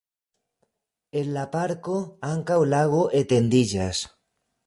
En la parko ankaŭ lago etendiĝas.